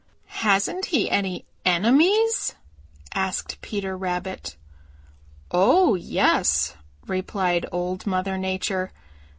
"Hasn't he any enemies?" asked Peter Rabbit. "Oh, yes," replied Old Mother Nature.